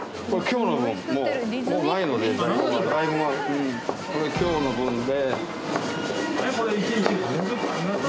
これ今日の分で。